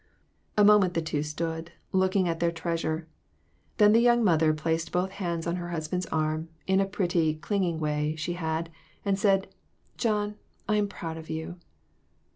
A moment the two stood, looking at their treasure ; then the young mother placed both hands on her husband's arm in a pretty, clinging way she had, and said, "John, I am proud of you."